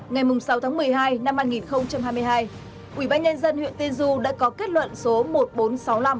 ngày sáu tháng một mươi hai năm hai nghìn hai mươi hai ubnd huyện tiên du đã có kết luận số một nghìn bốn trăm sáu mươi năm